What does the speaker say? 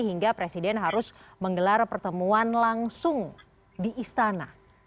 hingga presiden harus menggelar pertemuan langsung di istana